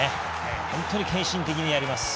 本当に献身的にやります。